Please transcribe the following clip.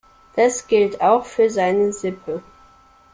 Das gilt auch für seine Sippe.